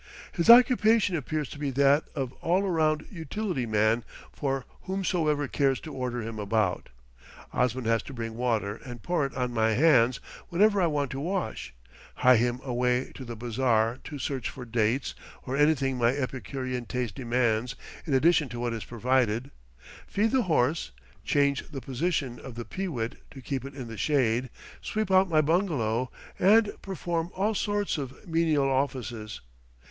His occupation appears to be that of all round utility man for whomsoever cares to order him about. Osman has to bring water and pour it on my hands whenever I want to wash, hie him away to the bazaar to search for dates or anything my epicurean taste demands in addition to what is provided, feed the horse, change the position of the pee wit to keep it in the shade, sweep out my bungalow, and perform all sorts of menial offices.